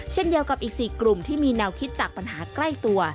เช่นเดียวกับอีก๔กลุ่มที่มีแนวคิดจากปัญหาใกล้ตัว